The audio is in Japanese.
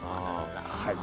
はい。